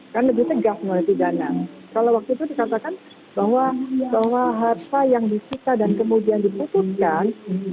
karena itu tegak mengalami pidana kalau waktu itu dikatakan bahwa sebuah harta yang disita dan kemudian diputuskan